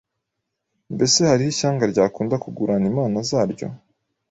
Mbese hariho ishyanga ryakunda kugurana imana zaryo